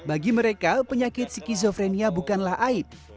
bagi mereka penyakit skizofrenia bukanlah aib